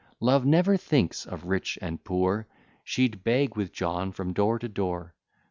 Love never thinks of rich and poor; She'd beg with John from door to door.